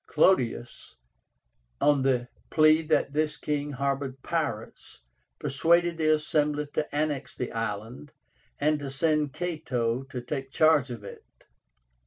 Clodius, on the plea that this king harbored pirates, persuaded the Assembly to annex the island, and to send Cato to take charge of it.